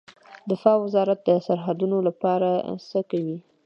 دفاع وزارت د سرحدونو لپاره څه کوي؟